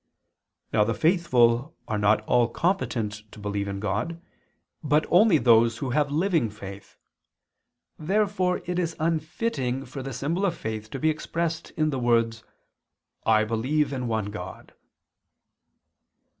Now the faithful are not all competent to believe in God, but only those who have living faith. Therefore it is unfitting for the symbol of faith to be expressed in the words: "I believe in one God."